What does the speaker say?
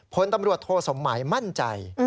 ผลตำรวจโทษธนกฤทธิ์สมหมายมั่นใจ